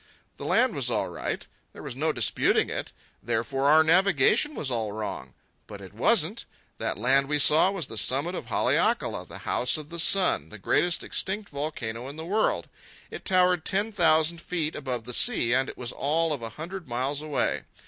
The land was all right. There was no disputing it. Therefore our navigation was all wrong. But it wasn't. That land we saw was the summit of Haleakala, the House of the Sun, the greatest extinct volcano in the world. It towered ten thousand feet above the sea, and it was all of a hundred miles away.